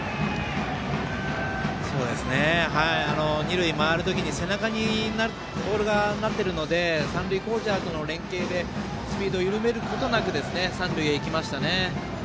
二塁、回るときに背中にボールがなってるので三塁コーチャーとの連係でスピードを緩めることなく三塁へ行きましたね。